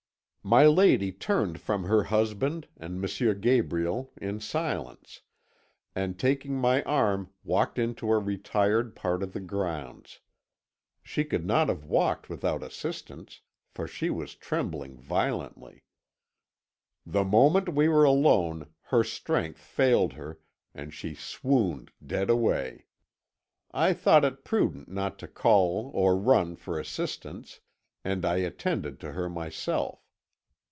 "My lady turned from her husband and M. Gabriel in silence, and taking my arm walked into a retired part of the grounds. She could not have walked without assistance, for she was trembling violently; the moment we were alone her strength failed her, and she swooned dead away. I thought it prudent not to call or run for assistance, and I attended to her myself.